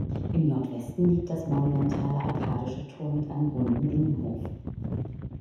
Im Nordwesten liegt das monumentale Arkadische Tor mit einem runden Innenhof.